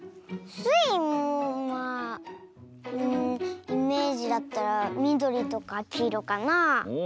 スイもまあうんイメージだったらみどりとかきいろかなあ。